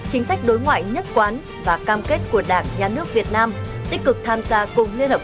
chính sách đối ngoại nhất quán và cam kết của đảng nhà nước việt nam tích cực tham gia cùng liên hợp